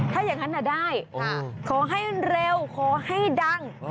ถ้าอย่างนั้นได้ขอให้เร็วขอให้ดัง